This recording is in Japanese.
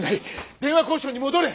電話交渉に戻れ！